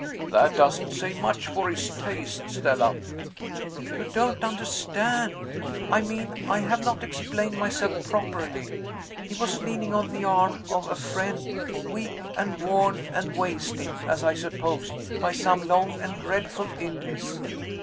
"That doesn't say much for his taste, Stella." "You don't understand. I mean, I have not explained myself properly. He was leaning on the arm of a friend; weak and worn and wasted, as I supposed, by some long and dreadful illness.